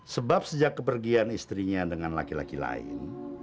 sebab sejak kepergian istrinya dengan laki laki lain